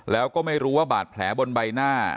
แล้วก็ไม่รู้ว่าบาดแผลบนใบหน้า